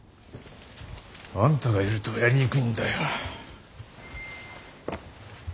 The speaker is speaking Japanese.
あんたがいるとやりにくいんだよ。